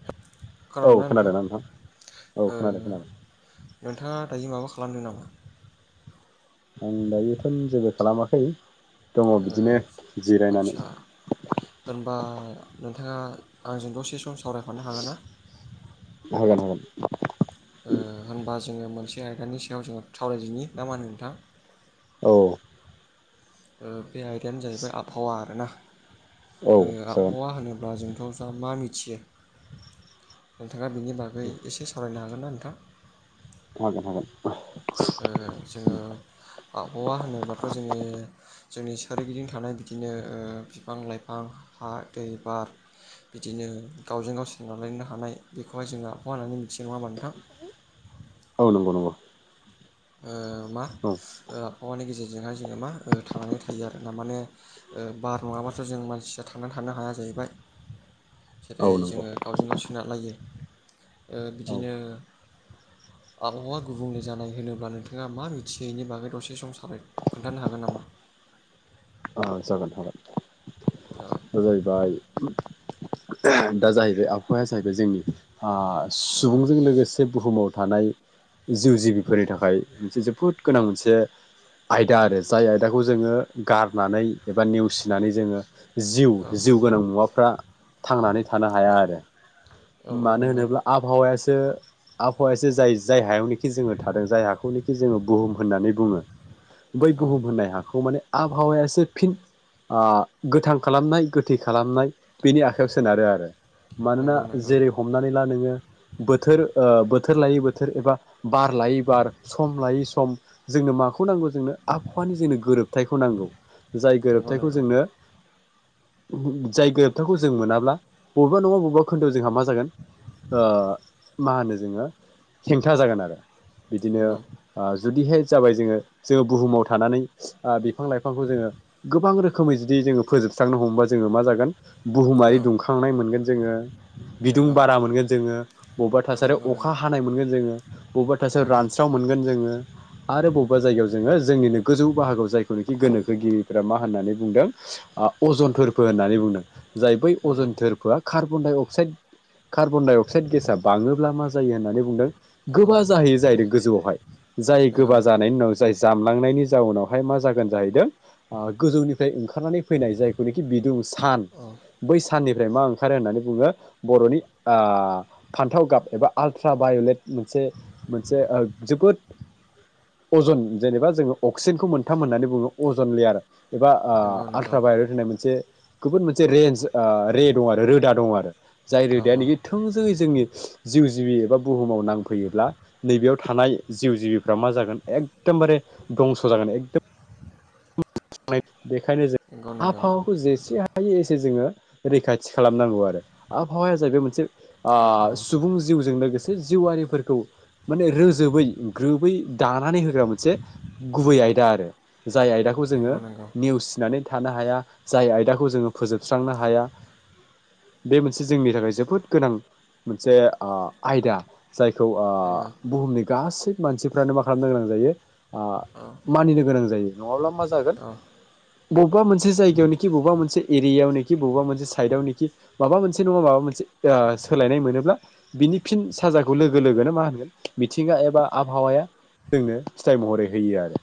[inaudible] औ खोनादों ना नोंथां खोनादोंना औ ओ खोनादों खोनादों नोंथाङा दायो माबा खा लामदों नामा? आं दायोथ' जेबो खालामाखै दङ ओ बिदिनो जिरायनानै आटचा होनबा नोंथाङा आंजों दसे सम सावरायफनो हागोनना? हागोन हागोन ओ होनबा जोङो मोनसे आयदानि सायाव जोङो सावरायदिनि ना मा होनो नोंथां? औ। ओ बे आयदानो जाहैबाय आबहावा आरोना औ ओ जागोन आबहावा होनोब्ला जोंथ' दा मा मिथियो नोंथाङा बेनि बागै एसे सावरायनो हागोन ना नोंथां हागोन हागोन ओ जोङो आबहावा होनोबाथ' जोङो जोंनि सोरगिदिं थानाय बिदिनो ओ बिफां लाइफ‌फां, हा, दै, बार बिदिनो गावजों गाव सोनारलायनो हानाय बेखौहाय जोङो आबहावा होननानै मिथियो नङा होमबा नोंथां [inaudible] औ नंगौ नंगौ। ओ मा औ ओ आबहावानि गेजेरजों जोंहाय जोङो मा थांनानै थायो आरो ना माने बार नङाब्लााथ' जों मानसिया थांनानै थानो हाया जाहैबाय। जेरै औ नंगौ जोङो गावजों गाव बिना लायो ओ औ बिदिनो आबहावा गुबुंले जानाय होनो अब्ला नोंथाङा मा मिथियो इनि बागै दसे सम सावरायनो खोन्थानो हागोन नामा? औ जागोन जागोन दा जाहैबाय दा जाहैबाय आबहावाया जाहैबाय जोंनि ओ ओ ओ सुबुंजों लोगोसे बुहुमाव थानाय जिउ जिबिफोरनि थाखाय मोनसे जोबोद गोनां मोनसे आयदा आरो जाय आयदाखौ जोङो गारनानै एबा नेवसिनानै जोङो जिउ औ जिउ गोनां मुवाफ्रा थांनानै थानो हाया आरो। औ औ मानो नंगौ होनोब्ला आबहावायासो ओ आबहावासो जाय जाय हायावनोखि जोङो थादों जाय हाखौनोखि जोङो बुहुम होननानै बुङो। बै औ बुहुम होननाय हाखौ माने आबहावायासो फिन ओ गोथां खालामनाय गोथै खालामनाय बेनि आखायाव सोनारो आरो। मानोना नंगौ नंगौ जेरै हमनानै ला नोङो बोथोर ओ बो थोर लायै बोथोर एबा बार लायै बार सम लायै सम जोंनो माखौ नांगौ जोंनो आबहावा खालि जोंनो गोरोबथायखौ नांगौ जाय नंगौ गोरोबथायखौ नंगौ जोंनो जाय गोरोबथाखौ जों मोनाब्ला बबेबा नङा बबेबा खोन्दोआव जोंहा मा जागोन ओ मा होनो जोङो हेंथा जागोन आरो बिदिनो नंगौ ओ जुदिहाय जाबाय जोङो जोङो बुहुमाव थानानै आ बिफां लाइफांखौ जोङो गोबां रोखोमै जुदि जोङो फोजोबस्रांनो हमबा जोङो मा जागोन बुहुमारि औ दुंखांनाय मोनगोन जोङो बिदुं नंगौ बारा मोनगोन जोङो बबेबा औ थासारि नंगौ अखा नंगौ हानाय मोनगोन जोङो बबेबा थासारि नंगौ रानस्राव मोन गोन जोङो आरो बबेबा जायगायाव जोङो जोंनिनो गोजौ बाहागोआव जायखौनोखि गोनोखोगिरिफ्रा मा होननानै बुंदों। आ औ अजन थोरफो होननानै बुंदों जाय बै नंगौ औ अजन थोरफोआ कार्बन डाइ अ क्साइड कार्बन डाइ अक्साइड गेसा बाङोब्ला मा जायो होननानै बुंदों गोबा जाहैयो जाहैदों गोजौआवहाय जाय नंगौ गोबा जानायनि उनाव जाय जामलांनायनि जाउनावहाय मा जागोन जाहैदों अ गोजौनिफ्राय ओंखारनानै फैनाय जायखौनिखि बिदुं सान औ बै साननि फ्राय मा ओंखारो होननानै बुङो बर'नि आ फान्थाव गाब एबा आल्ट्रा बायलेट मोन से मोनसे अ जोबोद अजन जेनेबा जोङो अक्सेनखौ मोनथाम होननानै बुङो अजन लेयार एबा आ नंगौ नंगौ आल्ट्राभायरेट होननाय मोनसे गुबुन मोनसे रेन्ज अ रे दं आरो रोदा दङ आरो जाय औ औ रोदाया नोखि थों ङै जोंनि जिउ जिबि एबा बुहुमाव नांफैयोब्ला नैबेयाव थानाय जिउ जिबिफ्रा मा जागोन एकदमबारे दंस' जागोन एकदम [inaudible] [unintelligible] बेखायनो नंगौ जों नंगौ आबहावाखौ जेसे हायो हायो एसे जोङो रैखाथि खालामनांगौ आरो आबहावाया जाहैबाय मोनसे अ औ औ सुबुं जिउजों लोगोसे जिउआरिफोरखौ माने रोजोबै ग्रोबै दानानै होग्रा मोनसे गुबै आय दा आरो जाय आयदाखौ जोङो नंगौ नंगौ नेवसिनानै थानो हाया जाय आयदाखौ जोङो फोजोबस्रांनो हाया बे मोनसे जोंनि थाखाय जोबोद गोनां मोनसे आ आयदा। जायखौ अ नंगौ बुहुमनि गासै मानसिफ्रानो मा खालामनो गोनां जायो आ औ मानिनो गोनां जायो नङाब्ला मा जागोन औ ब बबा मोनसे जायगायावनिखि बबबा मोनसे एरियावनेखि बबेबा मोनसे साइदावनेखि माबा मोनसे नङा माबा मोनसे ओ ओ सोलायनाय मोनोब्ला बिनि फिन साजाखौ लोगो लोगोनो मा होनगोन मिथिंगा एबा आबहावाया। जोंनो फिथाइ महरै होयो आरो।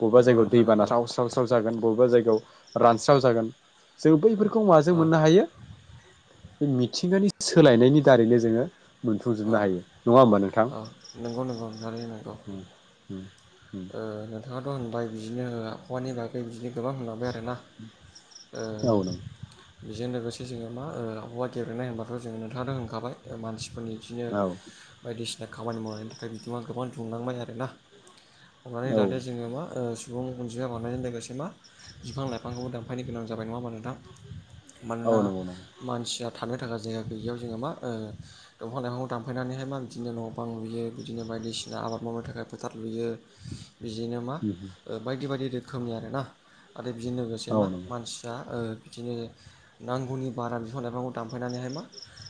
बबेबा नंगौ जायगायाव दै नोंथां बाना नंगौ स्राव-स्राव-स्राव जागोन बबेबा जायगायाव रानस्राव जागोन जों बैफोर- खौ माजों औ मोननो हायो बे मिथिंगानि सोलायनायनि दारैनो जोङो औ मोनफुंजोबनो हायो नङा होमबा नोंथां? औ नंगौ नंगौ थारैनो नंगौ। उम। ओ नोंथाङाथ' होनबाय बिजिनो आबहावानि बागै बिजिनो गोबां होनलांबाय आरोना ओ औ नंगौ बेजों लोगोसे जोङो मा ओ आबहावा गेबेनाय होनबाथ' जोङो नोंथाङाथ' होनखाबाय ओ मानसि फोरनि बिदिनो औ बायदिसिना खामानि मावनायनि थाखाय बिदुङा गोबां दुंलांबाय आरोना। हनानै लादो जोङो मा ओ सुबुं अनजिमा बांनायजों लोगोसे मा बिफां-लाइफांखौबो दानफायनो गोनां जाबाय नङा हमबा नोंथां? औ मानोना नंगौ नंगौ मानसिया थानो थाखाय जायगा गैयियाव जोङो मा ओ ओ दंफां-लाइफांखौ दानफायनानैहाय मा बिदिनो न' बां लुयो बिदिनो बाय- दिसिना आबाद मावनो थाखाय फोथार लुयो। बिदिनो मा बायदि-बायदि रोखोमनि आरोना। आरो बिजों लोगोसे मा औ नंगौ मानसिया ओ बिदिनो नांगौनि बारा बिफां-लाइफांखौ दानफायनानैहाय मा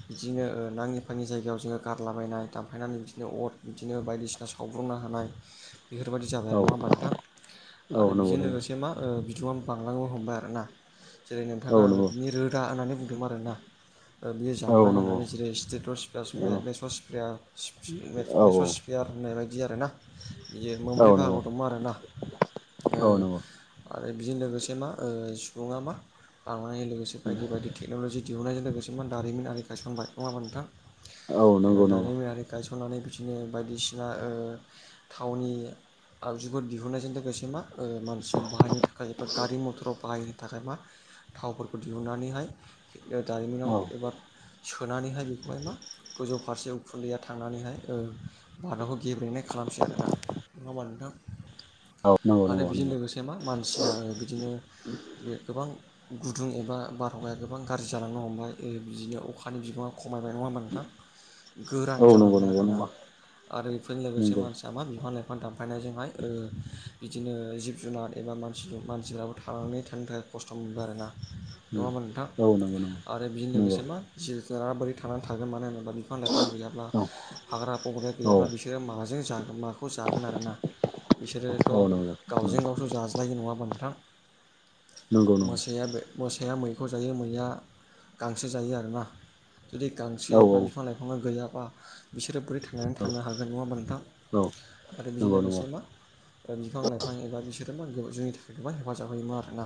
बिदिनो ओ नाङि-फाङि जायगायाव जोङो गारलाबायनाय दानफायनानै बिदिनो अर बिदिनो बायदिसिना साब्र नो हानाय बेफोरबायदि जाबाय आरो औ नङा हमबा नोंथां औ आरो नंगौ बिजों नंगौ लोगोसे मा ओ बि दुङा बांलांनो हमबाय आरो ना जेरै- औ नोंथाङा नंगौ बिनि रोदा होननानै बुंदोंमोन आरोना। ओ बियो औ जामलांङो नंगौ होननानै जेरै- औ औ [unintelligible] होननाय बायदि दि आरो ना। बियो औ मोमब्रै नंगौ बाहागोआव दंमो आरोना ओ औ नंगौ आरो बेजों लोगोसे मा ओ सुबुङा मा बांनाय लोगोसे बायदि बायदि टेक्न'लजि दिहुननाय लोगोसे मा दारिमिनारि गायसनबाय नङा होनबा नोंथां? औ जेनेबा नंगौ नंगौ दारिमिनारि गायस स'ननानै बिदिनो बायदिसिना ओ थावनि आगजुफोर दिहुननायजों लोगोसे मा। ओ मानसिया बाहायनो थाखाय एबा गारि-मथराव बाहाय थाखाय मा थावफोरखौ दिहुननानैहाय ओ दारिमिनाव औ एबा सोनानैहाय बेखौहाय मा गोजौ फारसे उखुन्दैया थांनानैहाय ओ [inaudible] दि आरोना नङा होमबा नोंथां? औ नंगौ आरो नंगौ बेजों नंगौ लोगोसे मा मानसिया ओ बिदिनो बे गोबां। गुदुं एबा बारहावाया गोबां गाज्रि जालांनो हमबाय ओ बिदिनो अखानि बिबाङा ख खमायबाय नङा होनबा नोंथां गोरान औ नंगौ जालांबाय नंगौ नंगौ आरोना आरो बेफोरनि लोगोसे नंगौ मानसि मा बिफां-लाइफां दानफायनायजोंहाय ओ बिदिनो जिब-जुनाद एबा मानसिद मानसिफ्राबो थानां नै थानो थाखाय खस्थ' मोनबाय आरोना नङा होनबा नोंथां? औ नंगौ नंगौ आरो बेजों नंगौ लोगोसे मा जि जुनारा बोरै थांनानै थागोन मानो होनोब्ला बिफां-लाइफां गैयाब्ला हाग्रा-बंग्राया औ गैयाब्ला बिसोरो माजों जा माखौ जागोन आरोना बिसोरोथ' औ नंगौ गावजों नंगौ गावथ' जाज्लायो नङा होनबा नोंथां? नंगौ औ नंगौ औ नंगौ औ नंगौ औ नंगौ औ नंगौ औ नंगौ औ नंगौ औ नंगौ औ मोसाया बे मोसाया मैखौ जायो मैया गांसो जायो आरोना। जुदि गांसो एबा बिफां-लाइफाङा गैयाबा बिसोरो बोरै थांनानै थानो हागोन नङा हाबा नोंथां। आरो बेजों लोगोसे मा ओ बिफां-लाइफां एबा बि [unintelligible] जोंनि थाखाय गोबां हेफाजाब होयोमोन आरोना।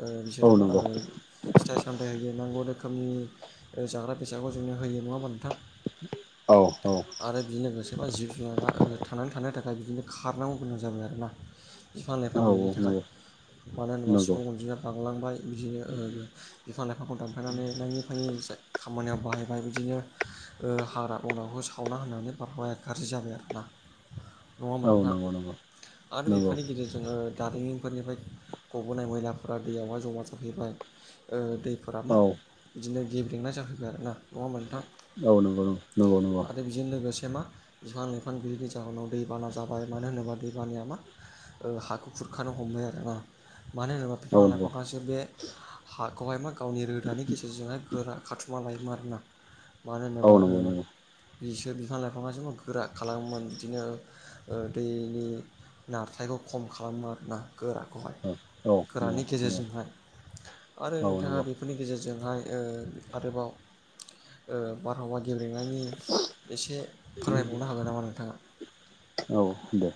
ओ बिसोरो मा ओ फिथाइ-सामथाइ होयो नांगौ रोखोमनि ओ जाग्रा बेसादखौ जोंनो होयो नङा होनबा नोंथां? आरो बिजों लोगोसे‌ मा जिब जुनारा ओ थांनानै थानो थाखाय बिदिनो खारनांगौ गोनां जाबाय आरोना बिफां-लाइफां गैयिनि थाखाय। मानो होनोबा सुबुं अनजिमाया बांलांबाय बिदिनो ओ बिफां-लाइफांखौ दानफायनानै नाङि-फाङि। से खामानियाव बाहायनाय बिदिनो ओ हाग्रा बंग्राखौ सावना होननानै बारहावाया गाज्रि जाबाय आरोना नङा होमबा औ नोंथां नंगौ नंगौ आरो बेफोरनि गेजेरजों ओ दारिमिनफोरनिफ्राय गबोनाय मैला फोरा दैयावहाय जमा जाफैबाय ओ दैफोरा मा बिदिनो गेब्रेंनाय जाफैबाय आरो ना नङा होमबा नोंथां आरो बेजों लोगोसे मा बिफां ला नो आरो ना मानो होनोबा बिफां लाइफाङासो बे हाखौहाय मा गावनि रोदानि गेजेरजोंहाय गोरा खाथुमा लायोमोन आरोना मानो होनोबा ओ बिसोर बिफां लाइफाङा जोंखौ गोरा खालामोमोन बिदिनो ओ दैनि नारथायखौ खम खालामो आरोना गोराखौहाय गोरानि गेजेरजोंहाय आरो नोंथाङा बेफोरनि गेजेरजोंहाय ओ आरोबाव ओ बारहावा गेब्रेंनायनि एसे उम फोरमायबावनो हागोन नामा नोंथाङा? औ दे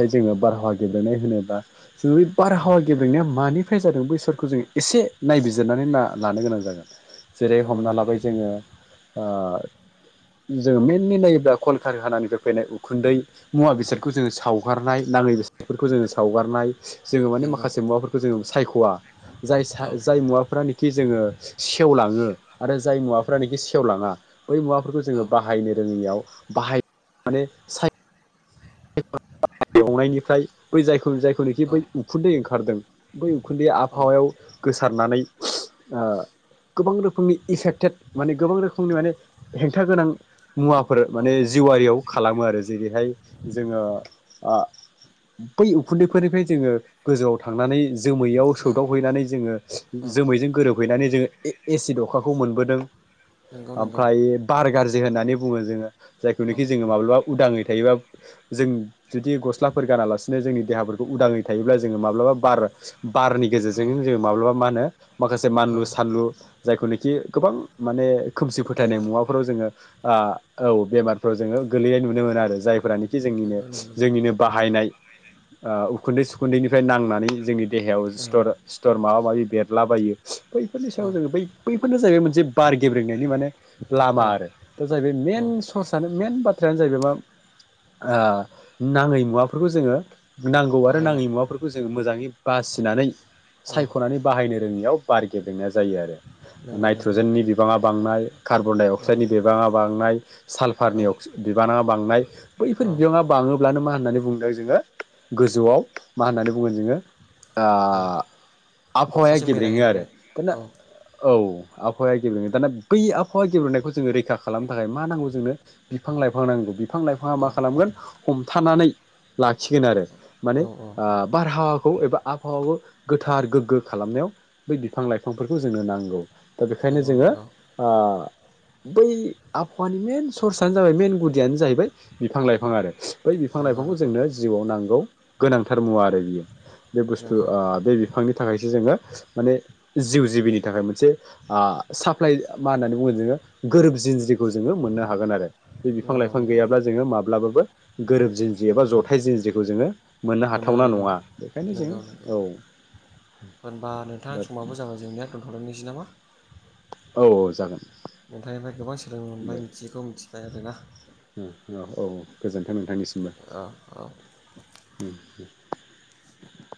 औ जोङो बारहावा गेब्रेंनाय होनोब्ला जों बे औ बारहावा गेब्रेंनाया मानि फ्राय जादों बैसोरखौ जों एसे नायबिजिरनानै ना लानो गोनां जागोन जेरै नंगौ हमना नंगौ लाबाय जोङो ओ जोङो मेनलि नायोब्ला कलकार हानानिफ्राय फैनाय उखुन्दै मुवा बेसादखौ जोङो सावगारनाय नाङै बेस बेफोरखौ जोङो सावगारनाय जोङो माने नंगौ माखासे मुवाफोरखौ जोङो सायख'वा जाय सा औ जाय मुवाफ्रानोखि जोङो सेवलाङो आरो जाय मुवाफ्रानोखि सेवलाङा बै मुवाफोरखौ औ जोङो रोङियाव बाहाय [inaudible] माने साय एवनायनिफ्राय बै जायखौ जायखौनोखि औ बै उखुन्दै ओंखारदों बै उखुन्दै औ आबहावायाव गोसो सारनानै ओ गोबां रोखोमनि इफेक्टेड माने गोबां रोखोमनि माने हेंथा गोनां मुवाफोर औ माने जिवारियाव खालामो आरो जेरैहाय जोङो ओ बै उखुन्दैफोरनिफ्राय जोङो गोजौआव थांनानै जोमैयाव सोवदावहैनानै जोङो औ जोमैजों गोरोबहैनानै जोङो ए एसिड अखाखौ मोनबोदों नंगौ नंगौ ओमफ्राय बार गाज्रि होननानै बुङो जोङो औ जायखौनोखि जोङो माब्लाबा उदाङै थायोबा जों जुदि गस्लाफोर गानालासिनो जोंनि देहाफोरखौ उदाङै थायोब्ला जोङो माब्लाबा बार बारनि औ गेजेरजोंनो जोङो माब्लाबा मा होनो माखासे औ मानलु सानलु जायखौनोखि गोबां माने खोमसि फोथायनाय बेमार मुवाफोराव जोङो ओ औ बेमारफोर जोङो गोलैनाय नुनो मोनो आरो जायफ्रानोखि जोंनिनो नंगौ नंगौ जोंनिनो बाहायनाय ओ उखुन्दै सुखुन्दैनिफाय नांनानै जोंनि देहायाव औ सिथर सिथर माबा माबि बेरलाबायो बैफोरनि औ सायाव जोङो बै बैफोरनो जाहैबाय मोनसे बार गेब्रेंनायनि माने औ लामा आरो दा जाहैबाय औ मेन सर्सआनो मेन बाथ्रायानो जाहैबाय मा ओ नाङै मुवाफोरखौ जोङो नांगौ आरो बाहायनाय नाङै मुवाफोरखौ जोंङो मोजाङै बासिनानै औ सायख'नानै बाहायनो रोङियाव बार गेब्रेंना जायो आरो नंगौ नंगौ नाइट्रजेननि बिबाङा बांनाय कार्बन दडाइ औ अक्साइडनि बिबाङा बांनाय औ साल्फारनि अक्सि बिबाङा बांनाय बैफोर औ बिबाङा बाङोब्लानो मा होननानै बुंदों जोङो गोजौआव मा होननानै बुङो जोङो ओ औ आबहावाया अखाजों गेब्रेङो आरो बेरायहैनानै दाना औ औ आबहावाया गेब्रेङो दाना बै आबहावा गेब्रेंनायखौ जोङो रैखा खालामनो थाखाय मा नांगौ जोंनो बिफां लाइफां नांगौ बिफां लाइफाङा औ मा खालामगोन हमथानानै लाखिगोन आरो माने औ औ ओ बारहावाखौ एबा आबहावाखौ गोथार गोग्गो खालामनायाव बै बिफां लाइफांफोरखौ जोंनो नांगौ दा बेखायनो नंगौ जोङो नंगौ ओ बै आबहावानि मेन सर्सआानो जाबाय मेन गुदियानो जाहैबाय बिफां लाइफां आरो बै बिफां नंगौ लाइफांखौ नंगौ जोंनो जिउआव नांगौ गोनांथार मुवा आरो बियो बे बुस्थु नंगौ ओ बे बिफांनि थाखायसो जोङो माने जिउ जिबिनि थाखाय मोनसे ओ साप्लाय मा होननानै बुङो जोङो गोरोब जिनज्रिखौ जोङो मोननो हागोन आरो। बे बिफां नंगौ लाइफां नंगौ गैयाब्ला जोङो माब्लाबाबो गोरोब जिन्ज्रि एबा जथाय जिन्ज्रिखौ जोङो मोननो हाथावना नङा बेखायनो जों नंगौ नंगौ औ। होनबा नोंथां दा समाबो जाबाय जोंनिया दोनथ'लायनोसै नामा? औ औ जागोन। नोंथांनिफ्राय गोबां सोलोंनो दे मोनबाय मिथियैखौ मिथिबाय आरोना। [unintelligible] औ औ गोजोन्थों नोंथांनिसिम। [unintelligible] [inaudible]